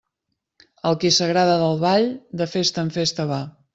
El qui s'agrada del ball, de festa en festa va.